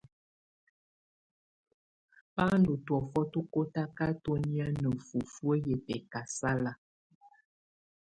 Bá ndù tɔ̀ofɔ tù kɔtakatɔ nɛ̀á ná fufuǝ́ yɛ bɛkasala.